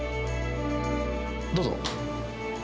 どうぞ。